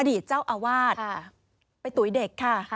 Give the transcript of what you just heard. เจ้าอาวาสไปตุ๋ยเด็กค่ะ